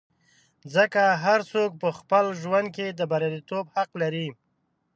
ځکه هر څوک په خپل ژوند کې د بریالیتوب حق لري.